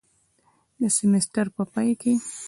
د سیمیستر په پای کې